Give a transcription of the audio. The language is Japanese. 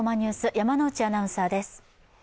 山内アナウンサーです。